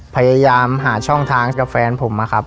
พยายามหาช่องทางกับแฟนผมนะครับ